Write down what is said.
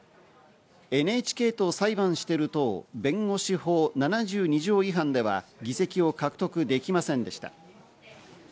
「ＮＨＫと裁判してる党弁護士法７２条違反で」は議席を獲得できませんでした。